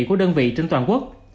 của đơn vị trên toàn quốc